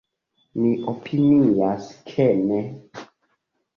Mi opinias ke ne.